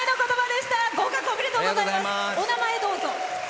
お名前、どうぞ。